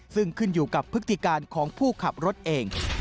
ซึ่งขึ้นอยู่กับพฤติการของผู้ขับรถเอง